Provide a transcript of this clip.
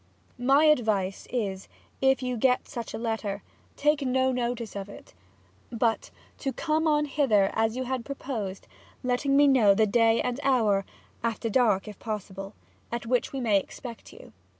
My Advice is, if you get such a Letter, to take no Notice of it, but to come on hither as you had proposed, letting me know the Day and Hour (after dark, if possible) at which we may expect you.